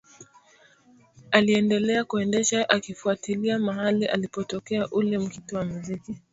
Aliendelea kuendesha akifuatilia mahali ulipotokea ule mkito wa muziki